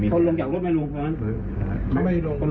คนลงจากรถไม่ลงปะ